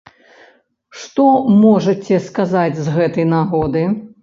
Што можаце сказаць з гэтай нагоды?